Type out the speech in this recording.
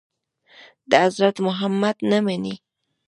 د حضرت محمد نه مني.